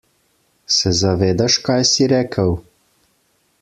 Se zavedaš kaj si rekel?